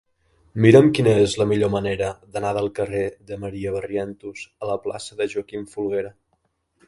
Mira'm quina és la millor manera d'anar del carrer de Maria Barrientos a la plaça de Joaquim Folguera.